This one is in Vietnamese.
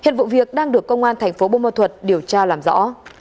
thành phố bông thuật điều tra làm rõ